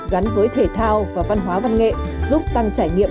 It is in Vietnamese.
gắn với thể thao và văn hóa văn nghệ giúp tăng trải nghiệm